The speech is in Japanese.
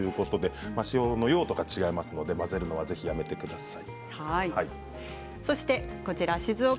使用用途が違いますので混ぜるのはやめてください。